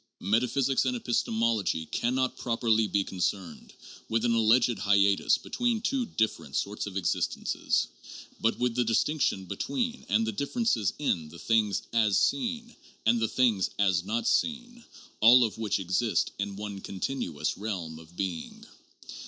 Metaphysics and episte mology can not properly be concerned with an alleged hiatus between two different sorts of existences, but with the distinction between and the differences in the things as seen and the same things as not seen, all of which exist in one continuous realm of being.